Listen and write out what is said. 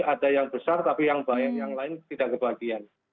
ada yang besar tapi yang banyak yang lain tidak kebagian